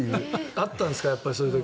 あったんですかそういう時。